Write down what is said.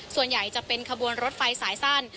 ส่วนใหญ่จะเป็นขบวนรถไฟสายสั้น